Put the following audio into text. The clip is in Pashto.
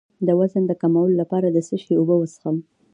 د وزن د کمولو لپاره د څه شي اوبه وڅښم؟